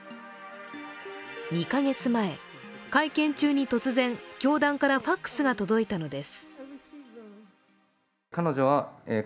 ２か月前、会見中に突然、教団からＦＡＸが届いたのです。